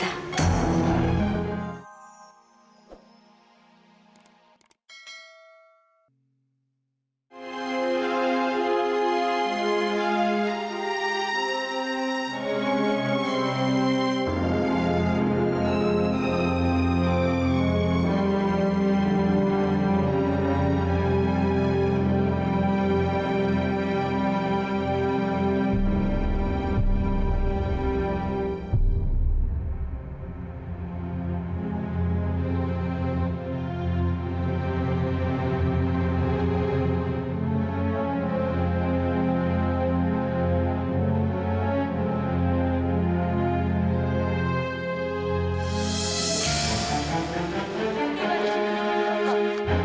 apa yang kamu lakukan di sini